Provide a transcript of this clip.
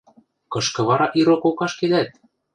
– Кышкы вара ирокок ашкедӓт?